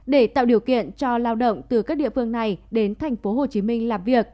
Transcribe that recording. để tạo điều kiện cho lao động từ các địa phương này đến tp hcm làm việc